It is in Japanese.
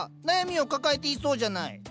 悩みを抱えていそうじゃない。